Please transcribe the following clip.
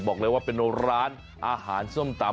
บอกเลยว่าเป็นร้านอาหารส้มตำ